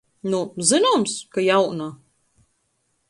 Nu, zynoms, ka jauna!